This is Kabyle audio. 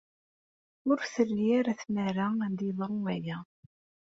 Ur terri ara tmara ad d-yeḍru waya.